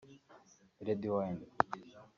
red wine